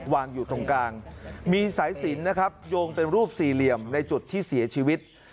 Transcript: วางอยู่ตรงกลางมีสายสินนะครับโยงเป็นรูปสี่เหลี่ยมในจุดที่เสียชีวิต